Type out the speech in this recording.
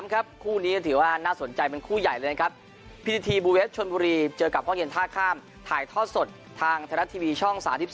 ครับคู่นี้ก็ถือว่าน่าสนใจเป็นคู่ใหญ่เลยนะครับพิธีทีบูเวฟชนบุรีเจอกับห้องเย็นท่าข้ามถ่ายทอดสดทางไทยรัฐทีวีช่อง๓๒